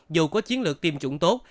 dù có chiến lược tiêm chủng tốt